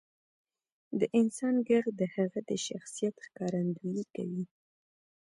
• د انسان ږغ د هغه د شخصیت ښکارندویي کوي.